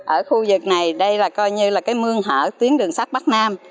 ở khu vực này đây là coi như là cái mương hở tuyến đường sắt bắc nam